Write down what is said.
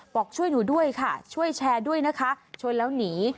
บอกช่วยหนูด้วยค่ะช่วยแชร์ด้วยนะคะชนแล้วหนี